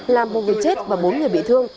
làm một người chết và bốn người bị thương